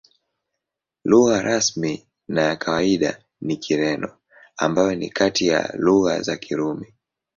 Lugha rasmi na ya kawaida ni Kireno, ambayo ni kati ya lugha za Kirumi.